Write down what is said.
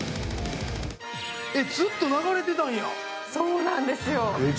ずっと流れてたんや。